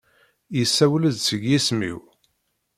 Yessawel-d s yisem-iw.